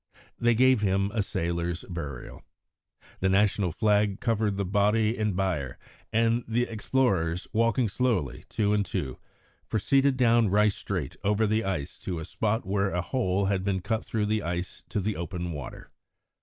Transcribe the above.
They gave him a sailor's burial. The national flag covered the body and bier, and the explorers, walking slowly, two and two, proceeded down Rice Strait over the ice to a spot where a hole had been cut through the ice to the open water.